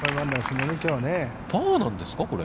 パーなんですか、これ。